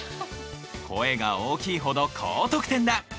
声が大きいほど高得点だ！